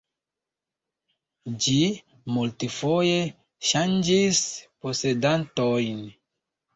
Ĝi multfoje ŝanĝis posedantojn.